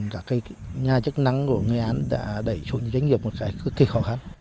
cả cái nhà chức năng của nghệ an đã đẩy xuống doanh nghiệp một cái cực kỳ khó khăn